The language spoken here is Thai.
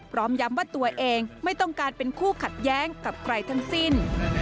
พร้อมย้ำว่าตัวเองไม่ต้องการเป็นคู่ขัดแย้งกับใครทั้งสิ้น